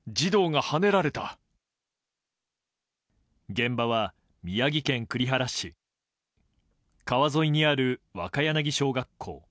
現場は宮城県栗原市川沿いにある若柳小学校。